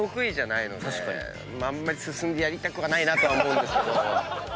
あんま進んでやりたくはないなと思うんですけど。